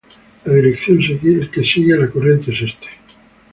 La dirección que sigue la corriente es este.